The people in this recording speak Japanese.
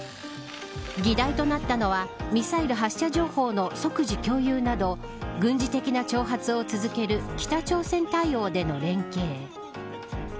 議題となったのはミサイル発射情報の即時共有など軍事的な挑発を続ける北朝鮮対応での連携。